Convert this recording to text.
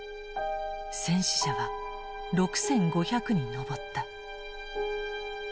戦死者は６，５００に上った。